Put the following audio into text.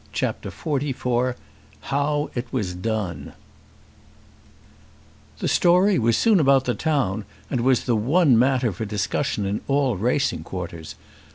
CHAPTER XLIV How It Was Done The story was soon about the town, and was the one matter for discussion in all racing quarters.